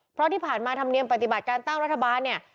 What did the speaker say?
เพราะที่ผ่านมาธรรมเนียมปฏิบัติการตั้งรัฐบาลเนี่ย